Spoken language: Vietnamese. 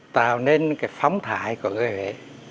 tạo nên cái phóng thải của người huệ